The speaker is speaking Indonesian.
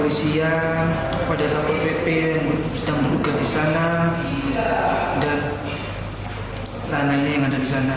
polisi yang pada saat ppp sedang berhubungan di sana dan ranahnya yang ada di sana